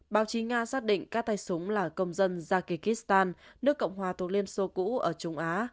báo chí nga xác định các tay súng là công dân jakistan nước cộng hòa thuộc liên xô cũ ở trung á